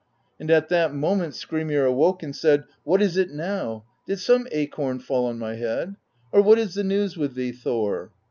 And at that moment Skrymir awoke and said: 'What is it now? Did some acorn fall on my head? Or what is the news with thee, Thor?'